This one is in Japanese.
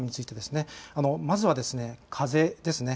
まずは風です。